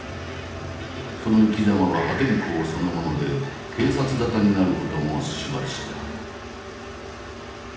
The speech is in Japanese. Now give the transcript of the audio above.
その生きざまは破天荒そのもので警察沙汰になることもしばしば。